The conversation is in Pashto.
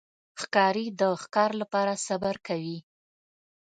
ښکاري د ښکار لپاره صبر کوي.